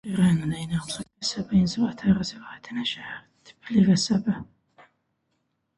Şəmkir rayonunun eyniadlı qəsəbə inzibati ərazi vahidində Şəhər tipli qəsəbə.